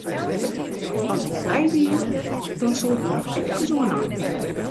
As ik dy wie, dan soe ik der noch efkes oer neitinke.